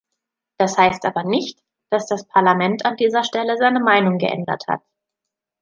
Das heißt aber nicht, dass das Parlament an dieser Stelle seine Meinung geändert hat.